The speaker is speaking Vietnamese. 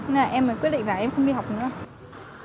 nên là em mới quyết định vào em không đi học nữa